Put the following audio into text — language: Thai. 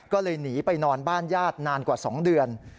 ก็เลยหนีไปนอนบ้านญาตินานกว่า๒เดือน